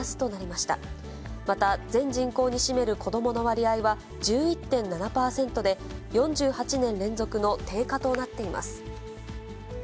また、全人口に占める子どもの割合は１１．７％で、４８年連続の低下となっています。